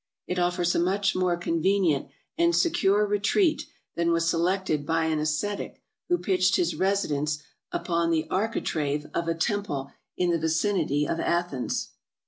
It offers a much more con venient and secure retreat than was selected by an ascetic who pitched his residence upon the architrave of a temple 358 TRAVELERS AND EXPLORERS in the vicinity of Athens.